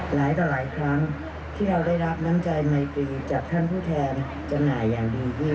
หลายต่อหลายครั้ง